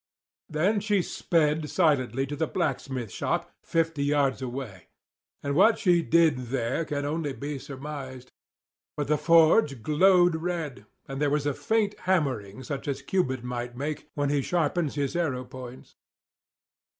Then she sped silently to the blacksmith shop, fifty yards away; and what she did there can only be surmised. But the forge glowed red; and there was a faint hammering such as Cupid might make when he sharpens his arrow points.